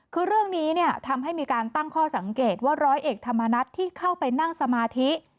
คือเรื่องนี้เนี่ยทำให้มีการตั้งข้อสังเกตว่าร้อยเอกธรรมนัฐที่เข้าไปนั่งสมาธิ